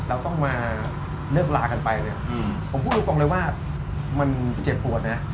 เราต้องมาเลิกลากันไปเนี่ยผมพูดตรงเลยว่ามันเจ็บปวดนะ